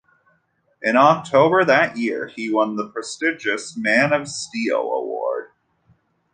In October that year he won the prestigious Man of Steel Award.